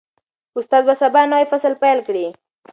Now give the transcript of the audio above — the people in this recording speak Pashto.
استاد به سبا نوی فصل پیل کړي.